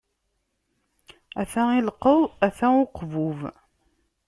Ata llqeḍ, ata uqbub.